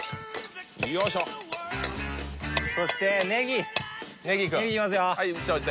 よいしょそしてネギネギいくネギいきますよ